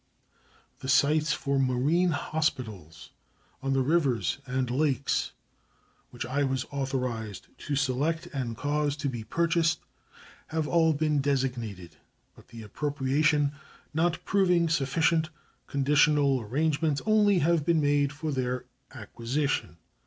The sites for marine hospitals on the rivers and lakes which I was authorized to select and cause to be purchased have all been designated, but the appropriation not proving sufficient, conditional arrangements only have been made for their acquisition.